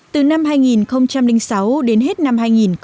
từ năm hai nghìn sáu đến hết năm hai nghìn một mươi